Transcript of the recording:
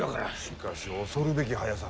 しかし恐るべき速さ。